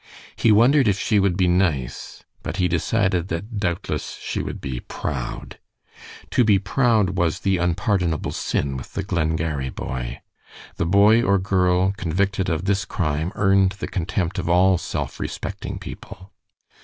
He wondered if she would be nice, but he decided that doubtless she would be "proud." To be "proud" was the unpardonable sin with the Glengarry boy. The boy or girl convicted of this crime earned the contempt of all self respecting people.